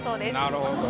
なるほど。